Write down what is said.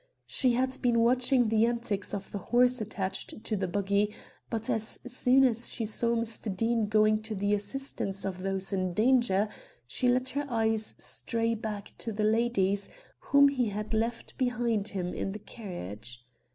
She had been watching the antics of the horse attached to the buggy, but as soon as she saw Mr. Deane going to the assistance of those in danger, she let her eyes stray back to the ladies whom he had left behind him in the carriage.